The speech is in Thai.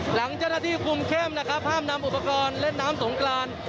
หลังเจ้าหน้าที่คุมเข้มนะครับห้ามนำอุปกรณ์เล่นน้ำสงกราน